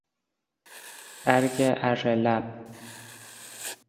برگ اره لب